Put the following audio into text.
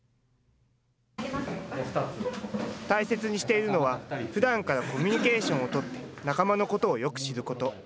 大切にしているのは、ふだんからコミュニケーションを取って、仲間のことをよく知ること。